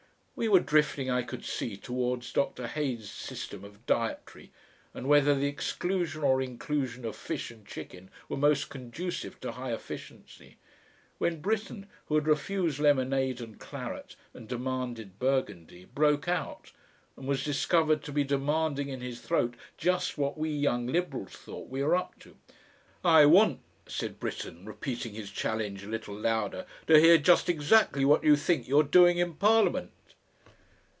We were drifting, I could see, towards Doctor Haig's system of dietary, and whether the exclusion or inclusion of fish and chicken were most conducive to high efficiency, when Britten, who had refused lemonade and claret and demanded Burgundy, broke out, and was discovered to be demanding in his throat just what we Young Liberals thought we were up to? "I want," said Britten, repeating his challenge a little louder, "to hear just exactly what you think you are doing in Parliament?"